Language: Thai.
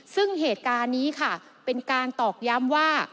ซึ่งเหตุการณ์นี้ค่ะเป็นการตอกย้ำว่า